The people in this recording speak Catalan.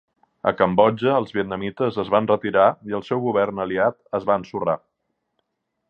A Cambodja, els vietnamites es van retirar i el seu govern aliat es va ensorrar.